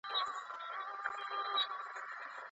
سردار محمد داود خان د ملي یووالي او همږغی لپاره هڅه کوله.